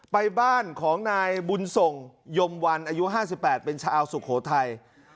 ไปบ้านของนายบุญส่งยมวันอายุ๕๘เป็นชาวสุโขทัย